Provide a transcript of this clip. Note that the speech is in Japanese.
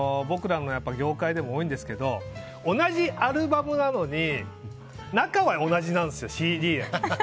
僕らの業界でも多いんですけど同じアルバムなのに中は同じなんですよ、ＣＤは。